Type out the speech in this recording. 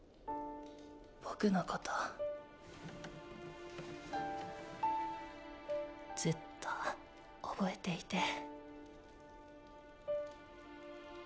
僕のことずっと覚えていて。